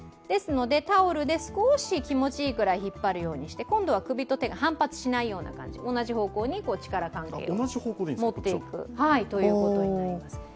タオルで少し気持ちいいぐらい引っ張るようにして、今度は首と手が反発しないような感じ、同じ方向に手を持っていくことになります。